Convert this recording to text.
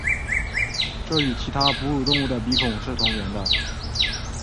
这与其他哺乳动物的鼻孔是同源的。